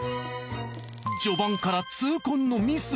序盤から痛恨のミス。